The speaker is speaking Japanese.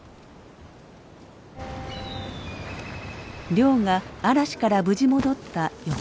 亮が嵐から無事戻った翌日。